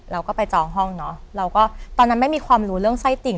เราก็ไปจองห้องเนอะเราก็ตอนนั้นไม่มีความรู้เรื่องไส้ติ่ง